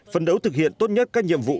phấn đấu thực hiện tốt nhất các nhiệm vụ